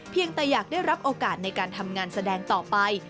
เพียงแต่อยากได้รับโอกาสในการทำงานแสดงต่อไป